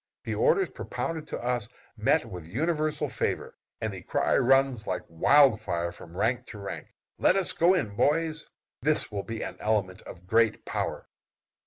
The orders propounded to us meet with universal favor, and the cry runs like wild fire from rank to rank, "let us go in, boys!" This will be an element of great power.